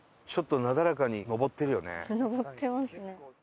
上ってますね。